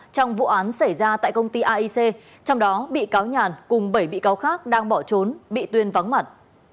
trong vụ án xảy ra tại công ty aic trong đó bị cáo nhàn cùng bảy bị cáo khác đang bỏ trốn bị tuyên vắng mặt